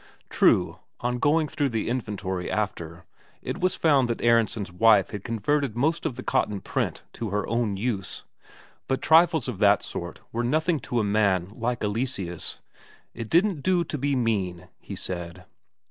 True, on going through the inventory after, it was found that Aronsen's wife had converted most of the cotton print to her own use; but trifles of that sort were nothing to a man like Eleseus. It didn't do to be mean, he said.